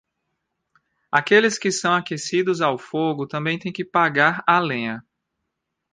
Aqueles que são aquecidos ao fogo também têm que pagar a lenha.